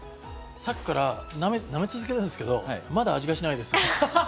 さっきから舐め続けてるんですけど、まだ味がしないです。